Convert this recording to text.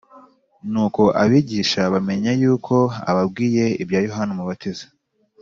Nuko abigishwa bamenya yuko ababwiye ibya Yohana Umubatiza.